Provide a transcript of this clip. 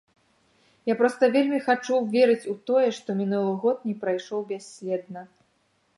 Я проста вельмі хачу верыць у тое, што мінулы год не прайшоў бясследна.